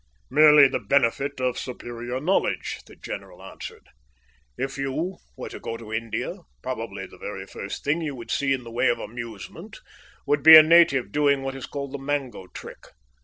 "Merely the benefit of superior knowledge," the general answered. "If you were to go to India, probably the very first thing you would see in the way of amusement would be a native doing what is called the mango trick.